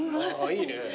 いいね。